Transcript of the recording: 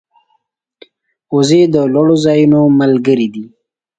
وزې د لوړو ځایونو ملګرې دي